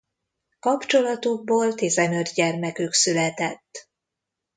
Kapcsolatukból tizenöt gyermekük született.